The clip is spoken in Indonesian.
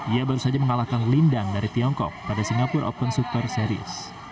ia baru saja mengalahkan lindang dari tiongkok pada singapura open super series